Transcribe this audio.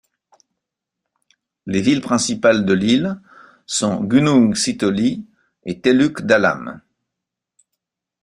Les villes principales de l'île sont Gunung Sitoli et Teluk Dalam.